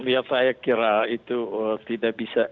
ya saya kira itu tidak bisa